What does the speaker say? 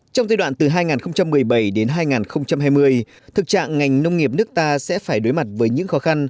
trong giai đoạn từ hai nghìn một mươi bảy đến hai nghìn hai mươi thực trạng ngành nông nghiệp nước ta sẽ phải đối mặt với những khó khăn